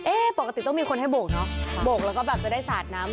ปกติต้องมีคนให้โบกเนอะโบกแล้วก็แบบจะได้สาดน้ำ